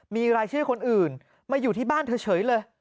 มีรายชื่อคนอื่นมาอยู่ที่บ้านเธอเฉยเลย